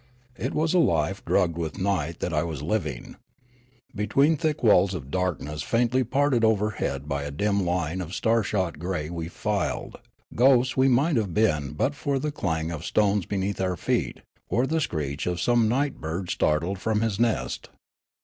It was a life drugged with night that I was living. Between thick walls of darkness faintl} parted overhead by a dim line of starshot grey we filed ; ghosts we might have been but for the clang of stones beneath our feet, or the screech of some night bird startled from his nest.